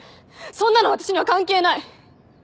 そんなの私には関係ない！